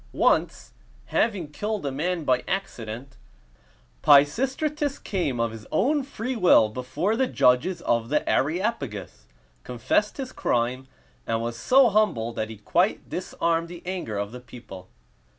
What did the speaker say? Once, having killed a man by accident, Pisistratus came of his own free will before the judges of the Areopagus, confessed his crime, and was so humble that he quite disarmed the anger of the people.